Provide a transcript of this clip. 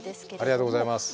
ありがとうございます。